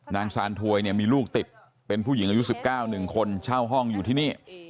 นางซานถวยเนี่ยมีลูกติดเป็นผู้หญิงอายุ๑๙๑คนเช่าห้องอยู่ที่นี่